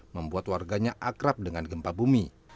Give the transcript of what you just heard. membuat warganya akrab dengan gempa bumi